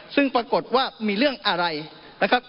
ซึ่งปรากฏว่ามีเรื่องอะไรนะครับ